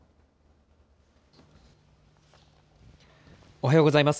おはようございます。